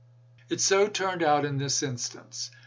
It so turned out in this instance.